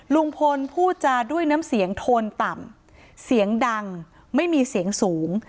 ลุงพลพูดจาด้วยน้ำเสียงโทนต่ำเสียงดังไม่มีเสียงสูง